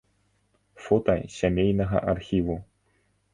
Фота з сямейнага архіву.